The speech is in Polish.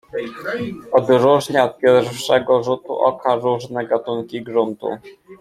"Odróżnia od pierwszego rzutu oka różne gatunki gruntu."